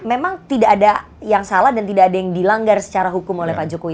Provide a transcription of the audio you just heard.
memang tidak ada yang salah dan tidak ada yang dilanggar secara hukum oleh pak jokowi